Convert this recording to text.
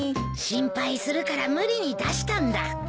心配するから無理に出したんだ。